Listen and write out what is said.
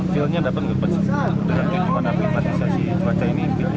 feelnya dapat kepencetan